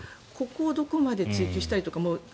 ここをどこまで追及したりとか。